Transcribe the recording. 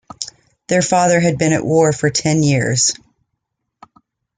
Their father has been at war for ten years.